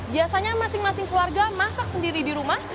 biasanya masing masing keluarga masak sendiri di rumah